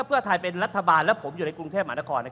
เพื่อไทยเป็นรัฐบาลแล้วผมอยู่ในกรุงเทพหมานคร